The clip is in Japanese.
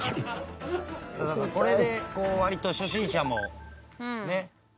「だからこれで割と初心者もね」